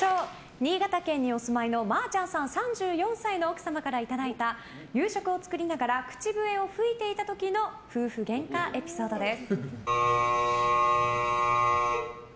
新潟県にお住まいのまーちゃんさん、３４歳の奥様からいただいた夕食を作りながら口笛を吹いていた時の夫婦ゲンカエピソードです。